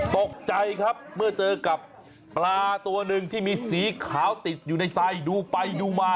ตกใจครับเมื่อเจอกับปลาตัวหนึ่งที่มีสีขาวติดอยู่ในไซด์ดูไปดูมา